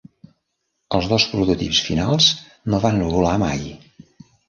Els dos prototips finals no van volar mai.